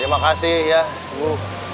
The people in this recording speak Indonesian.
terima kasih ya bu